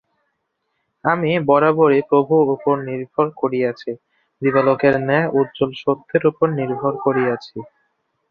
আমি বরাবরই প্রভুর উপর নির্ভর করিয়াছি, দিবালোকের ন্যায় উজ্জ্বল সত্যের উপর নির্ভর করিয়াছি।